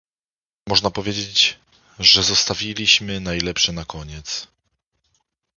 Można powiedzieć, że "zostawiliśmy najlepsze na koniec"